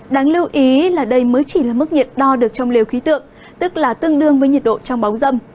đáng lưu ý là đây mới chỉ là mức nhiệt đo được trong liều khí tượng tức là tương đương với nhiệt độ trong bóng dâm